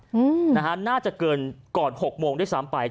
อืมนะฮะน่าจะเกินก่อนหกโมงด้วยซ้ำไป